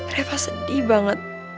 reva sedih banget